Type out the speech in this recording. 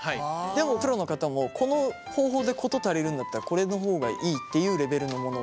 でもプロの方もこの方法で事足りるんだったらこれの方がいいっていうレベルのもの？